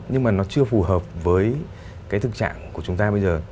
nhưng mà nó chưa phù hợp với cái thực trạng của chúng ta bây giờ